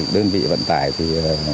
đơn vị vận tải thì